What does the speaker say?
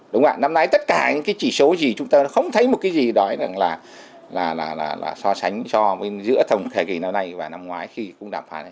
đúng rồi năm nay tất cả những cái chỉ số gì chúng ta không thấy một cái gì đó là so sánh cho giữa tổng thể kỳ năm nay và năm ngoái khi cũng đàm phán